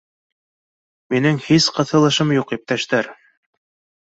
— Минең һис ҡыҫылышым юҡ, иптәштәр